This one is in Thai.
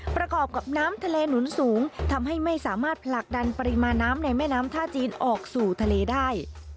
ประกอบกับน้ำทะเลหนุนสูงทำให้ไม่สามารถผลักดันปริมาณน้ำในแม่น้ำท่าจีนออกสู่ทะเลได้